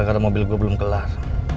karena mobil gue belum kelar